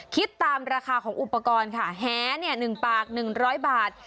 คิดตามราคาของอุปกรณ์ค่ะแห๑ปาก๑๐๐บาท